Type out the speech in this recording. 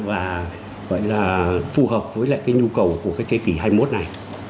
và gọi là phù hợp với lại cái nhu cầu của cái kế kỷ hai mươi một này